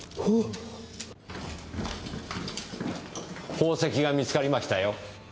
宝石が見つかりましたよ。